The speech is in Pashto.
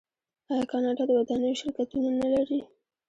آیا کاناډا د ودانیو شرکتونه نلري؟